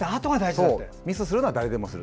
ミスをするのは誰でもする。